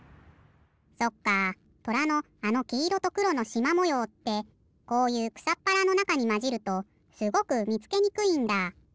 そっかとらのあのきいろとくろのしまもようってこういうくさっぱらのなかにまじるとすごくみつけにくいんだ。